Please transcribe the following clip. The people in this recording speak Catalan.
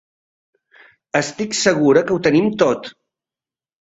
Estic segura que ho tenim tot.